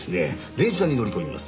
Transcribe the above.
電車に乗り込みます。